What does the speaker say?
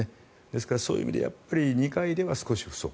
ですから、そういう意味で２回では少し不足。